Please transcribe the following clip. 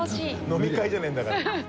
飲み会じゃねえんだから。